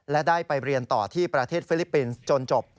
และได้ไปเรียนต่อที่ประเทศฟิลิปปินส์จนจบ